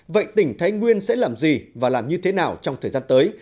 vậy tỉnh thái nguyên sẽ làm gì và làm như thế nào trong thời gian tới